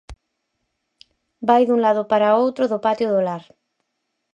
Vai dun lado para outro do patio do Lar.